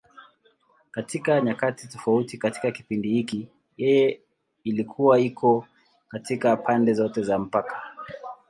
Katika nyakati tofauti katika kipindi hiki, yeye ilikuwa iko katika pande zote za mpaka.